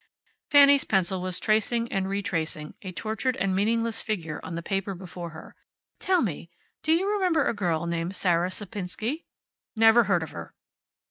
Fanny's pencil was tracing and retracing a tortured and meaningless figure on the paper before her. "Tell me, do you remember a girl named Sarah Sapinsky?" "Never heard of her."